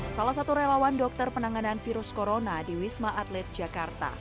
salah satu relawan dokter penanganan virus corona di wisma atlet jakarta